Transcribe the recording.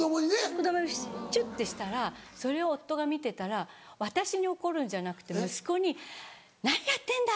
子供にチュってしたらそれを夫が見てたら私に怒るんじゃなくて息子に「何やってんだ！」